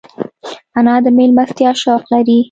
انا د مېلمستیا شوق لري